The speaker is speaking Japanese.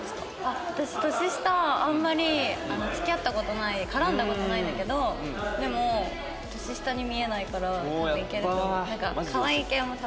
私年下あんまり付き合った事ない絡んだ事ないんだけどでも年下に見えないから多分いけると思う。